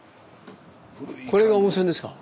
これが温泉ですか？